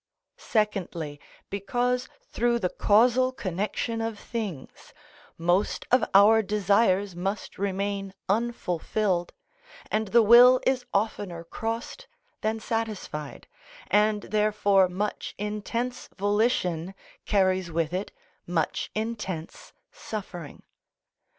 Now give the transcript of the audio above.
Secondly, because, through the causal connection of things, most of our desires must remain unfulfilled, and the will is oftener crossed than satisfied, and therefore much intense volition carries with it much intense suffering.